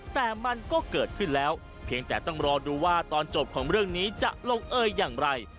แต่มันก็เกิดขึ้นแล้วเพียงแต่ต้องรอดูว่าตอนจบของเรื่องนี้จะลงเอยอย่างไร